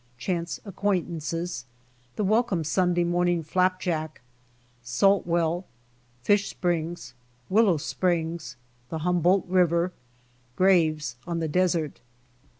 CHANCE ACQUAINTANCES. — THE WELCOME SUNDAY MORNING FLAP JACK. — SALT WELL. — FISH SPRINGS. — WILLOW SPRINGS. — THE HUMBOLDT RIVER. — GRAVES ON THEy DESERT.